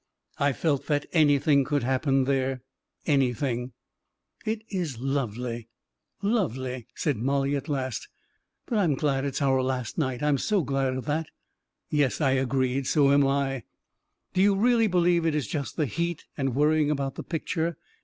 I felt that anything could happen there — any thing ... 11 It is lovely, lovely," said Mollie, at last. " But I'm glad it is our last night — I'm so glad of that !"" Yes," I agreed; "so ami." " Do you really believe it is just the heat and worrying about the picture